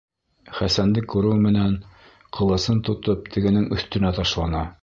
Хәсәнде күреү менән, ҡылысын тотоп, тегенең өҫтөнә ташлана.